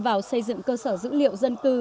vào xây dựng cơ sở dữ liệu dân cư